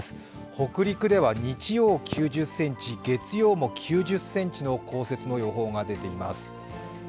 北陸では日曜９０ｃｍ、月曜も９０ｃｍの降雪の予報が出ています。